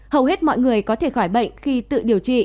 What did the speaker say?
hầu hết mọi người có thể khỏi bệnh khi tự điều trị